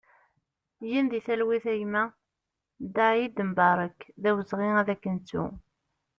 Gen di talwit a gma Daïd Mbarek, d awezɣi ad k-nettu!